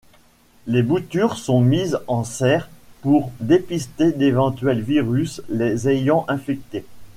Les boutures sont mises en serre pour dépister d'éventuels virus les ayant infectées.